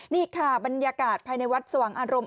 นี่ค่ะบรรยากาศภายในวัดสว่างอารมณ์